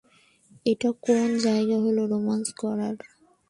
এটা কোন জায়গা হলো রোম্যান্স করার?